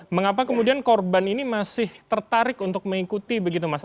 mengapa kemudian korban ini masih tertarik untuk mengikuti begitu mas